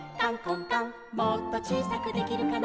「もっとちいさくできるかな」